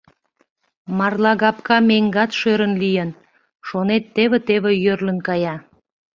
Марлагапка меҥгат шӧрын лийын, шонет, теве-теве йӧрлын кая.